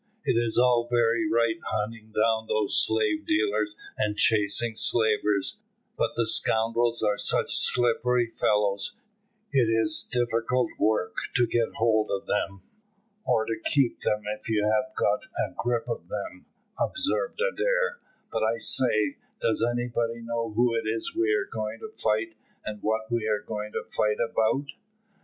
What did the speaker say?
"It is all very right hunting down those slave dealers and chasing slavers, but the scoundrels are such slippery fellows, it is difficult work to get hold of them." "Or to keep them if you have got a grip of them," observed Adair. "But I say, does anybody know who it is we are going to fight, and what we are going to fight about?"